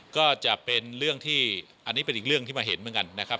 ก็จะเป็นเรื่องที่อันนี้เป็นอีกเรื่องที่มาเห็นเหมือนกันนะครับ